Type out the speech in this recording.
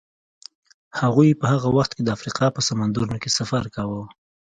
هغوی په هغه وخت کې د افریقا په سمندرونو کې سفر کاوه.